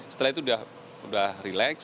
setelah itu dia sudah relax